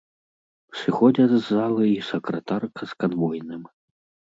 Сыходзяць з залы і сакратарка з канвойным.